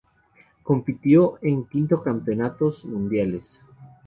Compitió en quinto campeonatos mundiales.